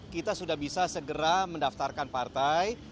kita sudah bisa segera mendaftarkan partai